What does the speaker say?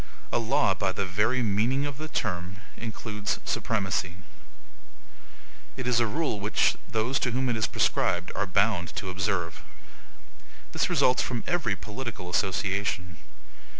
A LAW, by the very meaning of the term, includes supremacy. It is a rule which those to whom it is prescribed are bound to observe. This results from every political association.